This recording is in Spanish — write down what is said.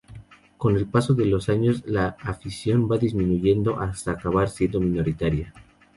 Con el paso de los años la afición va disminuyendo hasta acabar siendo minoritaria.